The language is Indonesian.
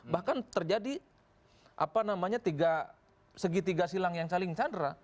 bahkan terjadi apa namanya tiga segitiga silang yang saling sandera